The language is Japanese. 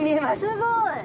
すごい！